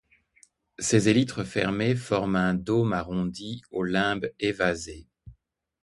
Ses élytres fermés forment un dôme arrondi, au limbe évasé.